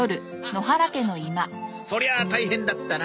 そりゃ大変だったな。